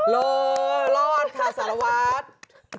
รอรอดค่ะสารวัตร